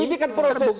ini kan proses